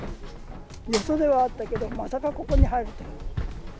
よそではあったけど、まさかここに入るとは。